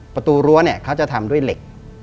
ประตูรั้วเนี่ยเขาจะทำด้วยเหล็ก